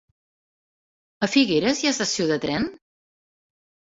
A Figueres hi ha estació de tren?